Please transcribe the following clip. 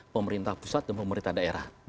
pemerintah pusat dan pemerintah daerah